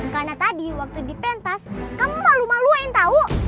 karena tadi waktu di pentas kamu malu maluin tau